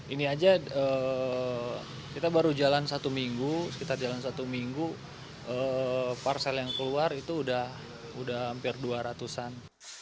ini aja kita baru jalan satu minggu sekitar jalan satu minggu parcel yang keluar itu udah hampir dua ratus an